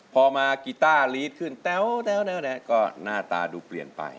พอมากีต้าลีดขึ้นแต้วก็หน้าตาดูเปลี่ยนไป